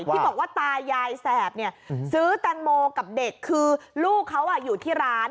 ที่บอกว่าตายายแสบเนี่ยซื้อแตงโมกับเด็กคือลูกเขาอยู่ที่ร้าน